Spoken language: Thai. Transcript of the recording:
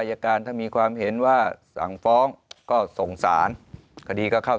อายการถ้ามีความเห็นว่าสั่งฟ้องก็ส่งสารคดีก็เข้า